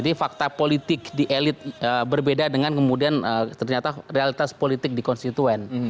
jadi fakta politik di elit berbeda dengan kemudian ternyata realitas politik di konstituen